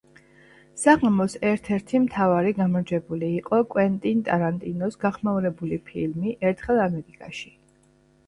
საღამოს ერთ-ერთი მთავარი გამარჯვებული იყო კვენტინ ტარანტინოს გახმაურებული ფილმი „ერთხელ ამერიკაში“.